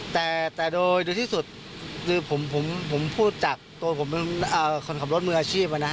แต่โดยที่สุดคือผมพูดจากตัวผมเป็นคนขับรถมืออาชีพ